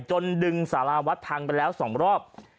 จนดึงสาราวัฒน์ทางไป๒รอบ